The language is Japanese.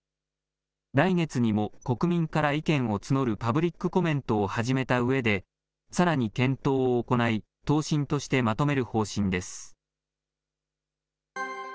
来月にも国民から意見を募るパブリックコメントを始めたうえで、さらに検討を行い、答申としてまとめる方針です。